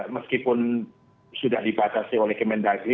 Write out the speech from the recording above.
meskipun sudah dibatasi oleh kementerian negeri